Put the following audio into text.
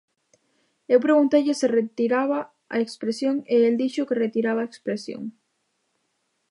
Eu pregunteille se retiraba a expresión e el dixo que retiraba a expresión.